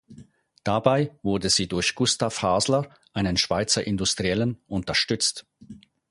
Dabei wurde sie durch Gustav Hasler, einen Schweizer Industriellen, unterstützt.